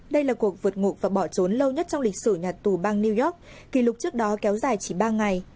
đây là cuộc vượt ngục và bỏ trốn lâu nhất trong lịch sử nhà tù bang new york kỷ lục trước đó kéo dài chỉ ba ngày